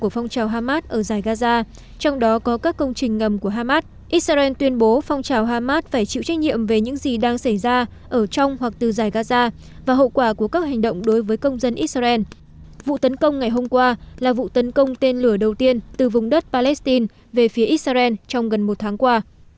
vụ tấn công ngày hôm qua là vụ tấn công tên lửa đầu tiên từ vùng đất palestine về phía israel trong gần một tháng qua